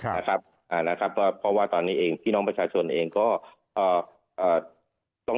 นะครับนะครับว่าเพราะว่าตอนนี้เองพี่น้องประชาชนเองก็